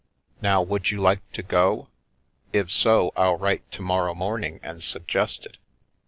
Now, would you like to go? If so, I'll write to morrow morning and suggest it.